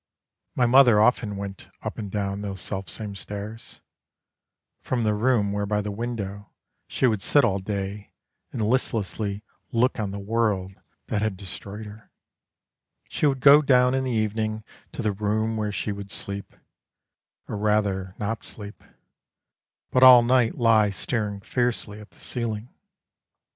My mother often went Up and down those selfsame stairs, From the room where by the window She would sit all day and listlessly Look on the world that had destroyed her, She would go down in the evening To the room where she would sleep, Or rather, not sleep, but all night Lie staring fiercely at the ceiling.